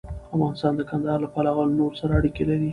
افغانستان د کندهار له پلوه له نورو سره اړیکې لري.